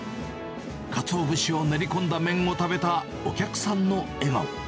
かつお節を練り込んだ麺を食べたお客さんの笑顔。